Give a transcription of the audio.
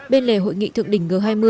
bên lề hội nghị thương đỉnh g hai mươi